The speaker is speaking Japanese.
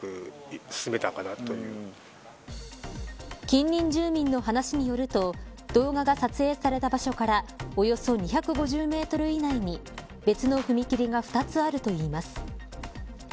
近隣住民の話によると動画が撮影された場所からおよそ２５０メートル以内に別の踏切が２つあるといいます。